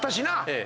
ええ。